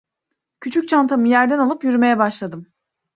Küçük çantamı yerden alıp yürümeye başladım.